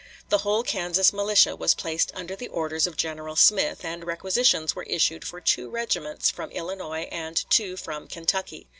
The whole Kansas militia was placed under the orders of General Smith, and requisitions were issued for two regiments from Illinois and two from Kentucky.